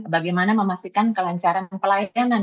bagaimana memastikan kelancaran pelayanan